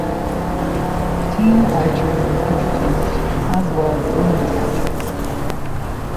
Team archery was introduced, as was women's archery.